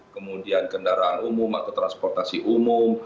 kemudian kendaraan umum atau transportasi umum